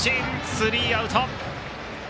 スリーアウト。